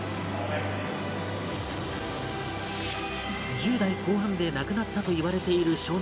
１０代後半で亡くなったといわれている少年